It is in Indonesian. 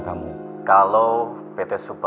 gue udah tinggal